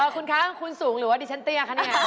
คุณค่ะคุณสูงหรือว่าดีฉันเตี๊ยงค่ะนะครับ